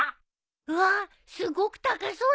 うわっすごく高そうなチーズ！